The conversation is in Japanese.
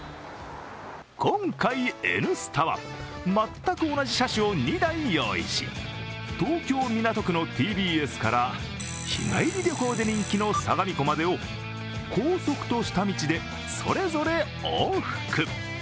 今回、「Ｎスタ」は全く同じ車種を２台用意し東京・港区のＴＢＳから日帰り旅行で人気の相模湖までを高速と下道でそれぞれ往復。